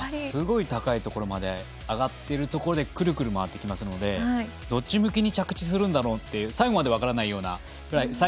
すごい高いところまで上がっているところでくるくる回ってきますのでどっち向きに着地するんだろうというのが最後まで分からないぐらい